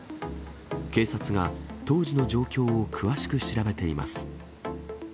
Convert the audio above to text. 警察が当時の状況を詳しく調べています。